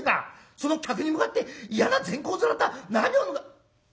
その客に向かって嫌な善公面とは何をぬか」。